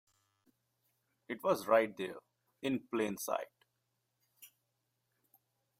It was right there, in plain sight!